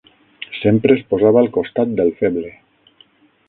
Sempre es posava al costat del feble